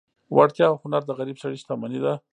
وړتیا او هنر د غریب سړي شتمني ده.